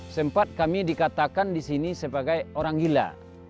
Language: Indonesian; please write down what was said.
sempat kami dikatakan disini sebagai orang gila